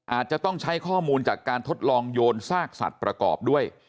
อาจจะต้องใช้ข้อมูลจากการทดลองโยนซากสัตว์ประกอบด้วย